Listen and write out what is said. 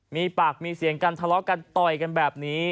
มีปากมีเสียงกันทะเลาะกันต่อยกันแบบนี้